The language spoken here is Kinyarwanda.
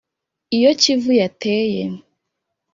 Iyó Kivú yateeyé